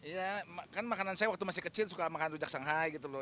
ya kan makanan saya waktu masih kecil suka makan rujak shanghai gitu loh